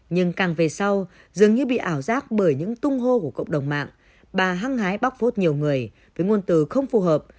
nhưng càng về sau dường như bị ảo giác bởi những tung hô của cộng đồng mạng bà hăng hái bóc phốt nhiều người với ngôn từ không phù hợp